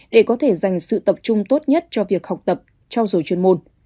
để có thể dành sự tập trung tốt nhất cho việc học tập trao dồi chuyên môn